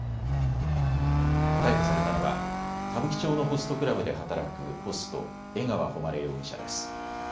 逮捕されたのは歌舞伎町のホストクラブで働くホスト、江川誉容疑者です。